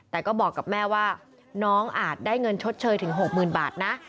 แต่ก็บอกกับแม่ว่าน้องอาจได้เงินชดเชยถึง๖๐๐๐บาทนะ